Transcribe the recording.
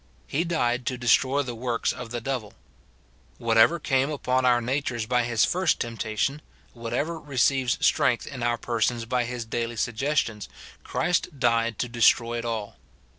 He died to destroy the works of the devil. Whatever came upon our natures by his first temptation, whatever re ceives strength in our persons by his daily suggestions, Christ died to destroy it all.